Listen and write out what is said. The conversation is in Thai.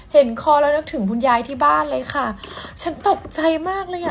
เห็นคอแล้วนึกถึงคุณยายที่บ้านเลยค่ะฉันตกใจมากเลยอ่ะ